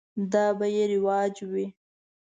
دا به یې رواج وي.